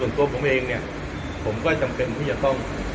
ตัวผมเองเนี่ยผมก็จำเป็นที่จะต้อง